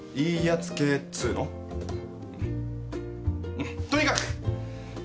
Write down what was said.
うんとにかくよし